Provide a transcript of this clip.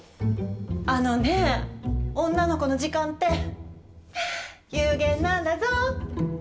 あのね女の子の時間って有限なんだぞ。